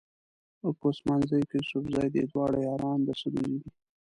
که عثمان زي که یوسفزي دي دواړه یاران د سدوزي دي.